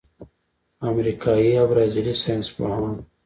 امریکايي او برازیلي ساینسپوهانو